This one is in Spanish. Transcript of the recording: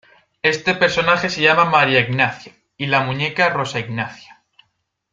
Este personaje se llama ""María Ignacia"" y la muñeca ""Rosa Ignacia"".